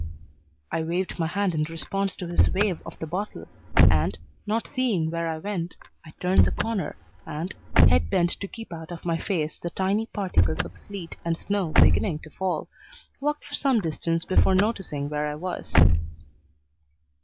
I waved my hand in response to his wave of the bottle, and, not seeing where I went, I turned the corner and, head bent to keep out of my face the tiny particles of sleet and snow beginning to fall, walked for some distance before noticing where I was.